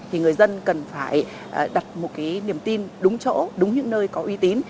thì người dân cần phải đặt một cái niềm tin đúng chỗ đúng những nơi có uy tín